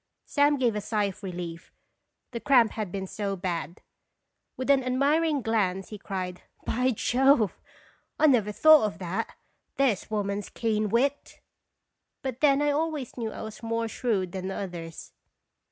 Sam gave a sigh of relief, the cramp had been so bad. With an admiring glance he cried "By Jove! I never thought of that. There 's woman's keen wit !" But then I always knew I was more shrewd than others.